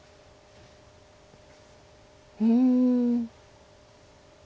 うん。